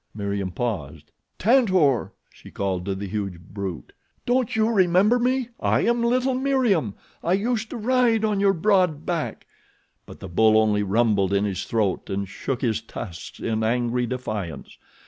Meriem paused. "Tantor!" she called to the huge brute. "Don't you remember me? I am little Meriem. I used to ride on your broad back;" but the bull only rumbled in his throat and shook his tusks in angry defiance.